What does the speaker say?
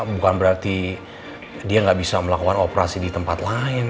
bukan berarti dia nggak bisa melakukan operasi di tempat lain